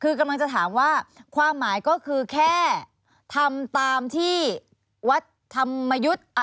คือกำลังจะถามว่าความหมายก็คือแค่ทำตามที่วัดธรรมยุทธ์